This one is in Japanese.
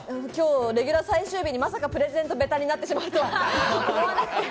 レギュラー最終日にまさかプレゼントベタになってしまうとは。